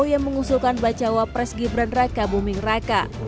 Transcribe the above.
yang mengusulkan bacawa pres gibran raka buming raka